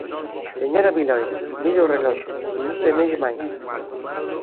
Señora Viloira, mire o reloxo, minuto e medio máis.